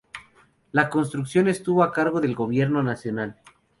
La construcción estuvo a cargo del Gobierno Nacional.